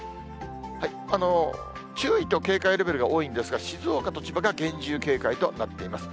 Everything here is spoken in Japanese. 注意と警戒レベルが多いんですが、静岡と千葉が厳重警戒となっています。